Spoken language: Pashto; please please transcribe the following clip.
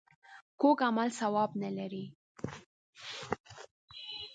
کوږ عمل ثواب نه لري